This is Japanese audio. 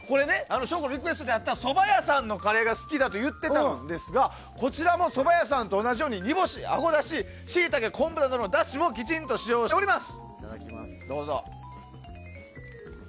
省吾のリクエストにあったそば屋さんのカレーが好きだと言っていたんですがこちらもそば屋さんと同じように煮干し、あごだし、シイタケ昆布などのだしをきちんと使用しています。